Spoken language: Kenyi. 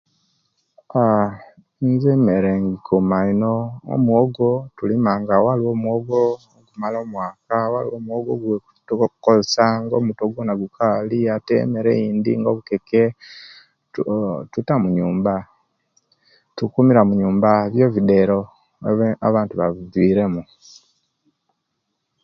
Aah inze emere nkuuma ino omuwogo tulima nga waliwo omuwogo ogumala omwaka, waliwo omuwogo gutuka okozesya, nga omuto gwona gukaali emere egendi nga obukeke tuta munyumba; tukumira munyumba; ebideero abantu babiviremu.